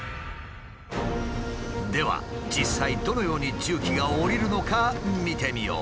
では実際どのように重機が降りるのか見てみよう。